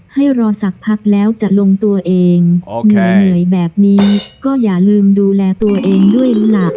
ให้รอสักพักแล้วจะลงตัวเองเหนื่อยแบบนี้ก็อย่าลืมดูแลตัวเองด้วยล่ะ